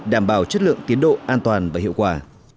đảm bảo chất lượng tiến độ an toàn và hiệu quả